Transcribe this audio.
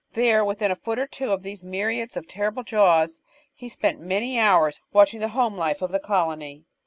There, within a foot or two of these myriads of terrible jaws, he spent many hours watching the home life of the colony.